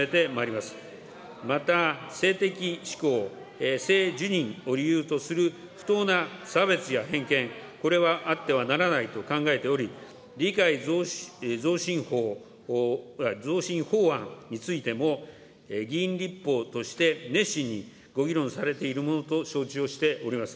また、性的指向、性自認を理由とする不当な差別や偏見、これはあってはならないと考えており、理解増進法案についても、議員立法として熱心にご議論されているものと承知をしております。